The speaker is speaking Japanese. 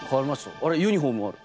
あれユニフォームがある。